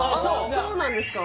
そうなんですか？